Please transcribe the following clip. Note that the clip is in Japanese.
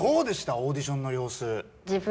オーディションのようす。